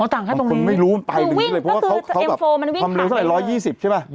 อ๋อต่างค่ะตรงนี้คือวิ่งก็คือเอ็มโฟมันวิ่งผ่านได้เลยเพราะว่าเขาแบบความเร็วเท่าไหร่๑๒๐ใช่ไหม